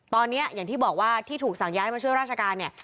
ตอนนี้อย่างที่บอกว่าที่ถูกสั่งย้ายมาช่วยราชการเนี่ย